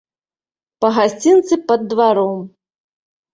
Па гасцінцы пад дваром.